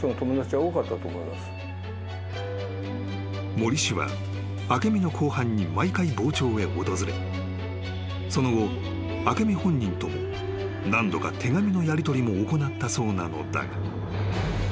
［森氏は明美の公判に毎回傍聴へ訪れその後明美本人とも何度か手紙のやりとりも行ったそうなのだが］